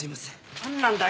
何なんだよ